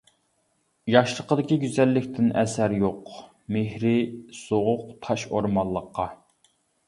ياشلىقىدىكى گۈزەللىكتىن ئەسەر يوق-مېھرى سوغۇق تاش ئورمانلىققا.